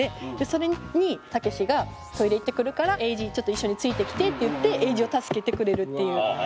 それにたけしがトイレ行ってくるから英二ちょっと一緒についてきてって言って英二を助けてくれるっていう。